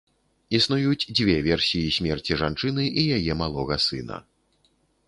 Існуюць дзве версіі смерці жанчыны і яе малога сына.